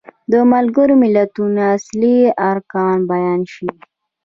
د ملګرو ملتونو اصلي ارکان بیان شي.